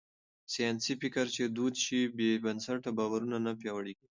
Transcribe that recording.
ساينسي فکر چې دود شي، بې بنسټه باورونه نه پياوړي کېږي.